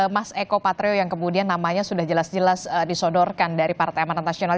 mas eko patrio yang kemudian namanya sudah jelas jelas disodorkan dari partai amanat nasional